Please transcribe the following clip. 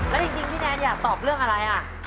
แล้วจริงพี่แนนอยากตอบเรื่องอะไร